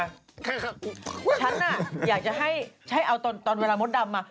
ฉันน่ะอยากจะให้ใช่เอาตอนเวลามดดำมา